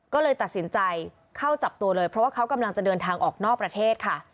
ก็เลยตัดสินใจเข้าจับตัวเลยเพราะว่าเขากำลังจะเดินทางออกนอกประเทศค่ะ